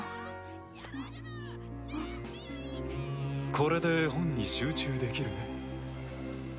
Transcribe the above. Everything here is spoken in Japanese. これで絵本に集中できるね。